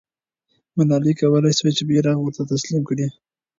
ملالۍ کولای سوای چې بیرغ ورته تسلیم کړي.